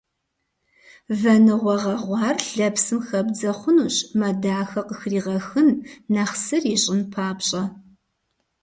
Вэныгъуэ гъэгъуар лэпсым хэбдзэ хъунущ, мэ дахэ къыхригъэхын, нэхъ сыр ищӏын папщӏэ.